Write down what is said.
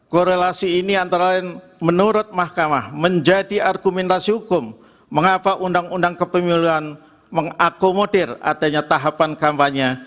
korelasi ini antara lain menurut mahkamah menjadi argumentasi hukum mengapa undang undang kepemiluan mengakomodir adanya tahapan kampanye